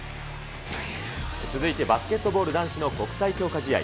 続いてバスケットボール男子の国際強化試合。